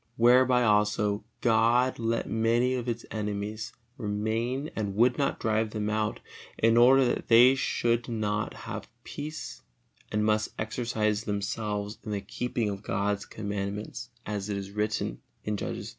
Wherefore also God let many of its enemies remain and would not drive them out, in order that they should not have peace and must exercise themselves in the keeping of God's commandments, as it is written, Judges iii.